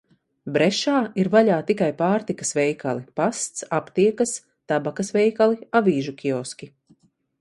Brešā ir vaļā tikai pārtikas veikali, pasts, aptiekas, tabakas veikali, avīžu kioski.